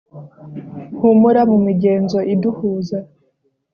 humura mumigenzo iduhuza